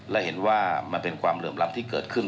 และเห็นว่ามันเป็นความเหลื่อมล้ำที่เกิดขึ้น